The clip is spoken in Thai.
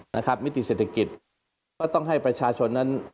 นะครับมิติเศรษฐกิจเนื่องถึงต้องให้ประชาชนนั้น